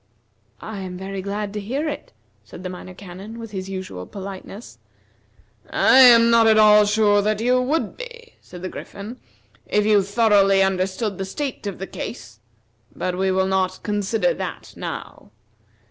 "I am very glad to hear it," said the Minor Canon, with his usual politeness. "I am not at all sure that you would be," said the Griffin, "if you thoroughly understood the state of the case, but we will not consider that now.